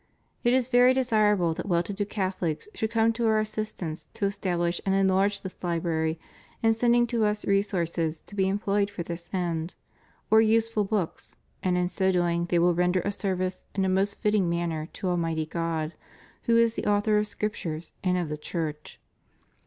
It is very desirable that well to do Catholics should come to Our assistance to establish and enlarge this library in sending to Us resources to be employed for this end, or useful books, and in so doing they will render a service in a most fitting manner to Almighty God, who is the Author of Scriptures and of the Church.